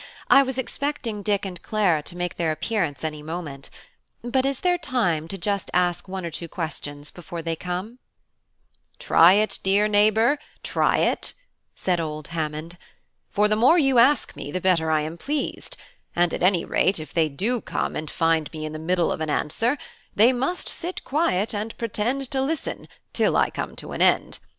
"I was expecting Dick and Clara to make their appearance any moment: but is there time to ask just one or two questions before they come?" "Try it, dear neighbour try it," said old Hammond. "For the more you ask me the better I am pleased; and at any rate if they do come and find me in the middle of an answer, they must sit quiet and pretend to listen till I come to an end.